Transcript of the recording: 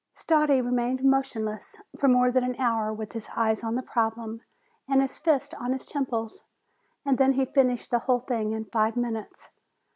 Stardi remained motionless for more than an hour, with his eyes on the problem, and his fists on his temples, and then he finished the whole thing in five minutes.